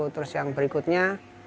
terus yang berikutnya